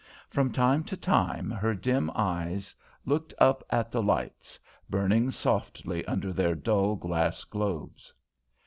From time to time her dim eyes looked up at the lights, burning softly under their dull glass globes.